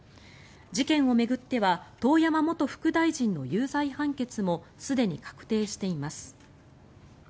事件を巡っては遠山元副大臣の有罪判決もすでに確定しています。